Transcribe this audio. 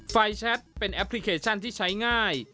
แชทเป็นแอปพลิเคชันที่ใช้ง่าย